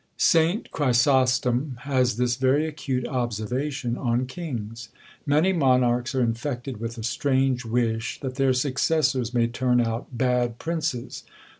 Saint Chrysostom has this very acute observation on kings: Many monarchs are infected with a strange wish that their successors may turn out bad princes.